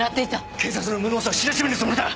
警察の無能さを知らしめるつもりだ！